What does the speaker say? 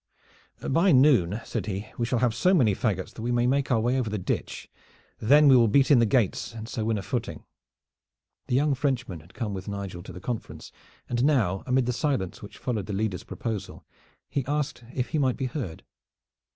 "By noon," said he, "we shall have so many fagots that we may make our way over the ditch. Then we will beat in the gates and so win a footing." The young Frenchman had come with Nigel to the conference, and now, amid the silence which followed the leader's proposal, he asked if he might be heard.